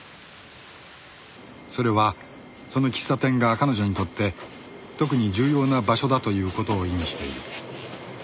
それはその喫茶店が彼女にとって特に重要な場所だという事を意味している